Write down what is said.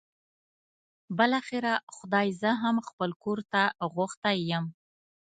بالاخره خدای زه هم خپل کور ته غوښتی یم.